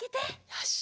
よし。